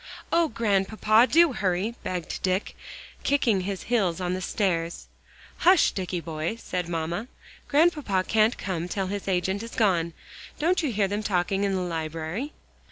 "Oh, Grandpapa! do hurry," begged Dick, kicking his heels on the stairs. "Hush, Dicky boy," said mamma. "Grandpapa can't come till his agent is gone. Don't you hear them talking in the library?"